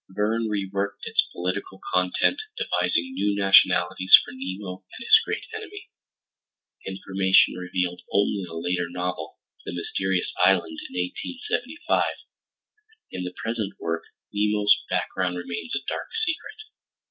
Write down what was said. Verne reworked its political content, devising new nationalities for Nemo and his great enemy—information revealed only in a later novel, The Mysterious Island (1875); in the present work Nemo's background remains a dark secret.